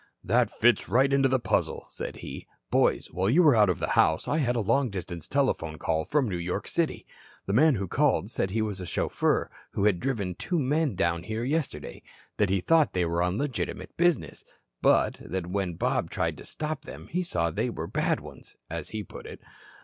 "That fits right into the puzzle," said he. "Boys, while you were out of the house I had a long distance telephone call from New York City. The man who called said he was a chauffeur who had driven two men down here yesterday, that he thought they were on legitimate business, but that when Bob tried to stop them he saw they were bad ones, as he put it.